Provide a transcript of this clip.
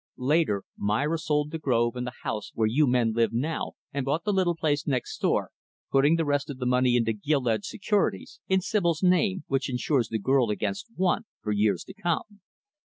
Later, Myra sold the grove and the house where you men live, now, and bought the little place next door putting the rest of the money into gilt edged securities in Sibyl's name; which insures the girl against want, for years to come.